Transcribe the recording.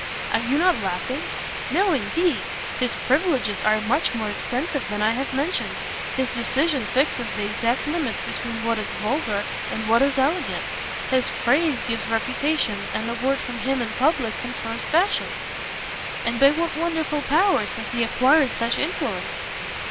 "Are you not laughing?" "No, indeed; his privileges are much more extensive than I have mentioned: his decision fixes the exact limits between what is vulgar and what is elegant, his praise gives reputation, and a word from him in public confers fashion!" "And by what wonderful powers has he acquired such influence?"